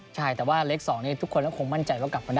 ใช่แต่ว่าเลข๒ทุกคนก็คงมั่นใจว่ากลับมาได้